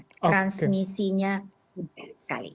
transmisinya mudah sekali